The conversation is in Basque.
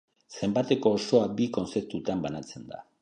Zenbateko osoa bi kontzeptutan banatzen da.